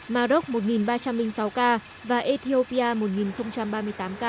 maroc một ba trăm linh sáu ca và ethiopia một ba mươi tám ca